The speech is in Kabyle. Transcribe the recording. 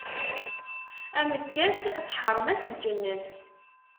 Amekkas teḥṛem-as lǧennet.